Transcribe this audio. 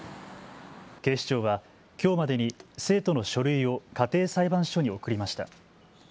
警視庁はきょうまでに生徒の書類を家庭裁判所に送りました。